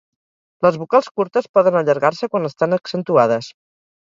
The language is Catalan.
Les vocals curtes poden allargar-se quan estan accentuades.